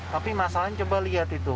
tapi masalahnya coba lihat itu